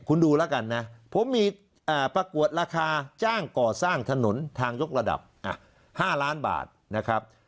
คุณดูแล้วกันนะผมมีประกวดราคาจ้างก่อสร้างถนนทางยกระดับ๕ล้านบาทนะครับ